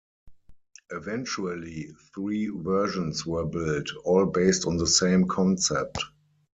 Eventually three versions were built, all based on the same concept.